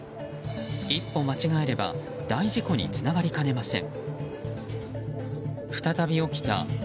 一歩間違えれば大事故につながりかねません。